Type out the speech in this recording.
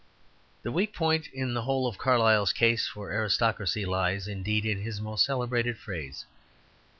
The weak point in the whole of Carlyle's case for aristocracy lies, indeed, in his most celebrated phrase.